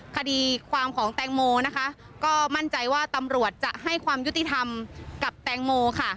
คดีความของแตงโมนะคะก็มั่นใจว่าตำรวจจะให้ความยุติธรรมกับแตงโมค่ะ